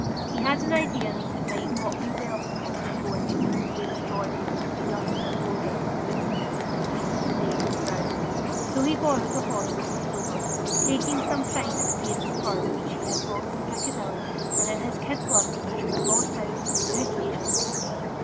He had an idea that it might not be well for him to go into Mrs. Dale's drawing room with the dust of the road on his boots, and the heat of the day on his brow. So he borrowed a horse and rode over, taking some pride in a pair of spurs which he had bought in Piccadilly, and in his kid gloves, which were brought out new for the occasion.